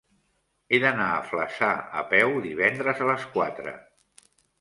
He d'anar a Flaçà a peu divendres a les quatre.